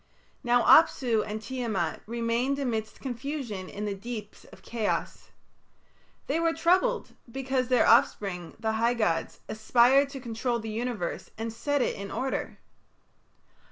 Now Apsu and Tiamat remained amidst confusion in the deeps of chaos. They were troubled because their offspring, the high gods, aspired to control the universe and set it in order.